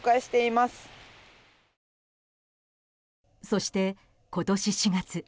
そして、今年４月。